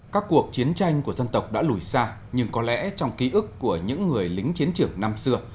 các cuộc chiến tranh của dân tộc đã lùi xa nhưng có lẽ trong ký ức của những người lính chiến trường năm xưa